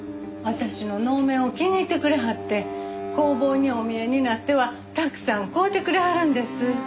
私の能面を気に入ってくれはって工房にお見えになってはたくさん買うてくれはるんです。